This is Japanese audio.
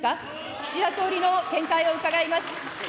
岸田総理の見解を伺います。